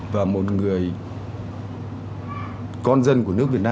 và một người con dân của nước việt nam